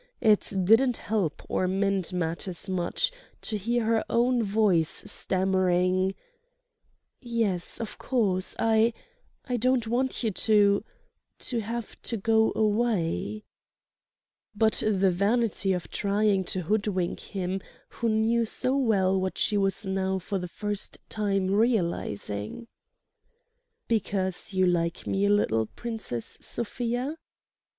It didn't help or mend matters much to hear her own voice stammering: "Yes, of course, I—I don't want you to—to have to go away—" Oh, the vanity of trying to hoodwink him who knew so well what she was now for the first time realizing! "Because you like me a little, Princess Sofia?"